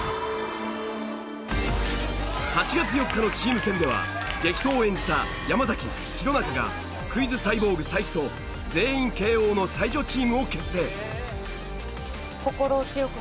８月４日のチーム戦では激闘を演じた山崎弘中がクイズサイボーグ才木と全員慶應の才女チームを結成。